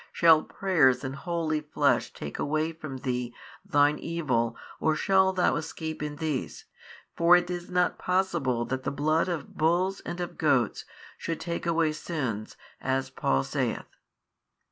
shall prayers and holy flesh take away from thee thine evil or shall thou escape in these? For it is not possible that the blood of bulls and of goats should talte away sins, as Paul saith.